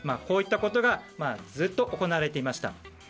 こういったことがずっと行われていました。